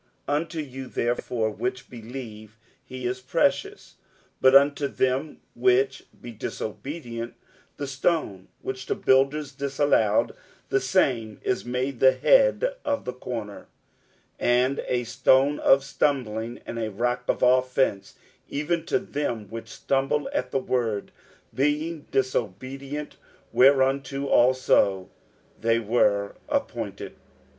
60:002:007 Unto you therefore which believe he is precious: but unto them which be disobedient, the stone which the builders disallowed, the same is made the head of the corner, 60:002:008 And a stone of stumbling, and a rock of offence, even to them which stumble at the word, being disobedient: whereunto also they were appointed.